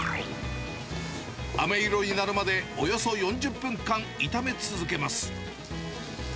あめ色になるまで、およそ４０分間、炒め続けます。